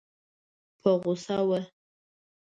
په غوسه وه.